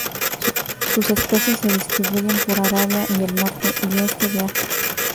Sus especies se distribuyen por Arabia, y el norte y este de África.